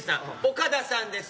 岡田さんです。